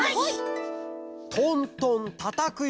「トントンたたくよ」。